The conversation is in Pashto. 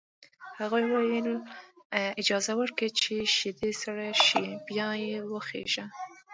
هغه وویل اجازه ورکړه چې شیدې سړې شي بیا یې وڅښه